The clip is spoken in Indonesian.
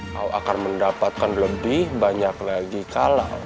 kau akan mendapatkan lebih banyak lagi kalau